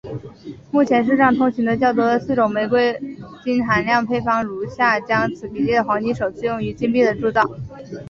目前世上通行的较多的四种玫瑰金含量配方如下将此比例的黄金首次用于金币的铸造。